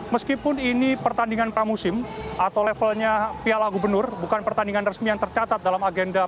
meskipun ini pertandingan pramusim atau levelnya piala gubernur bukan pertandingan resmi yang tercatat dalam agenda